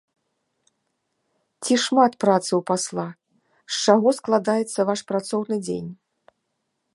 Ці шмат працы ў пасла, з чаго складаецца ваш працоўны дзень?